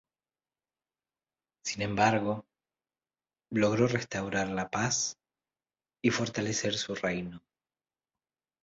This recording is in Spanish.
Sin embargo, logró restaurar la paz y fortalecer su reino.